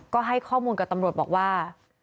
ก็ให้ข้อมูลกับตำรวจบอกว่า